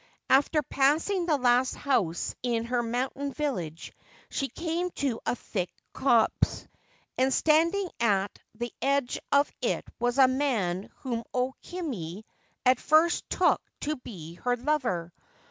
After passing the last house in her mountain village she came to a thick copse, and standing at the edge of it was a man whom O Kimi at first took to be her lover.